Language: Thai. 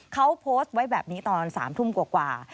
เขาโพสต์ไว้แบบนี้ตอน๓ทุ่มกว่า